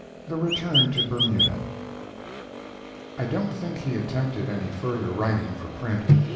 THE RETURN TO BERMUDA I don't think he attempted any further writing for print.